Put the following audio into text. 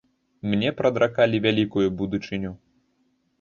Мне прадракалі вялікую будучыню.